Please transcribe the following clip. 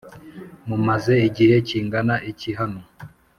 mumaze igihe kingana iki hano?